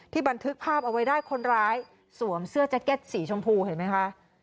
บันทึกภาพเอาไว้ได้คนร้ายสวมเสื้อแจ็คเก็ตสีชมพูเห็นไหมคะ